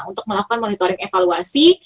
untuk melakukan monitoring evaluasi